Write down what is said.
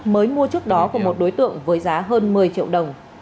mới mua trước đó của một đối tượng với giá hơn một mươi triệu đồng